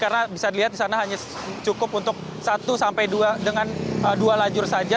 karena bisa dilihat di sana hanya cukup untuk satu sampai dua dengan dua lajur saja